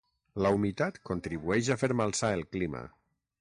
La humitat contribueix a fer malsà el clima.